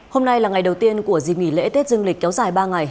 hôm nay là ngày đầu tiên của dịp nghỉ lễ tết dương lịch kéo dài ba ngày